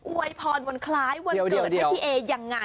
วยพรวันคล้ายวันเกิดให้พี่เอยังไง